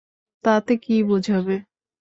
তাতে কী বোঝাবে।